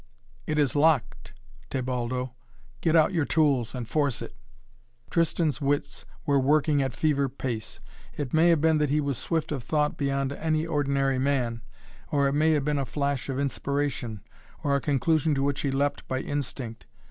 "It is locked, Tebaldo! Get out your tools and force it!" Tristan's wits were working at fever pace. It may have been that he was swift of thought beyond any ordinary man, or it may have been a flash of inspiration, or a conclusion to which he leapt by instinct.